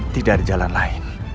tidak ada jalan lain